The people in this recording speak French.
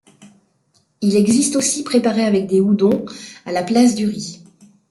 Il existe aussi préparé avec des Udon à la place du riz.